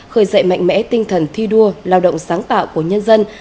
khởi dậy mạnh mẽ tinh thần thi đua lao động sáng tạo của nhân dân